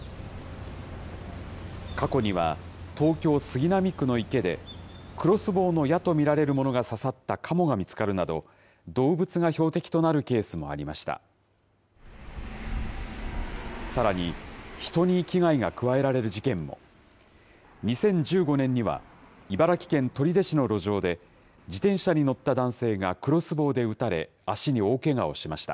過去には、東京・杉並区の池で、クロスボウの矢と見られるものが刺さったカモが見つかるなど、動物が標的となるケースもありました。